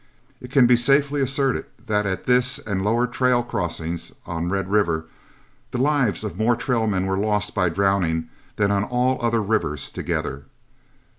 It can safely be asserted that at this and lower trail crossings on Red River, the lives of more trail men were lost by drowning than on all other rivers together.